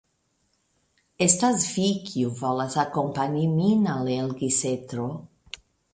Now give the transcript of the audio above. Estas vi, kiu volas akompani min al Elgisetro.